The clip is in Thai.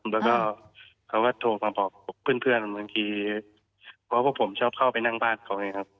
แล้วก็เขาก็โทรมาบอกเพื่อนบางทีเพราะพวกผมชอบเข้าไปนั่งบ้านเขาไงครับ